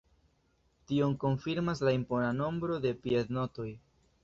Tion konfirmas la impona nombro de piednotoj.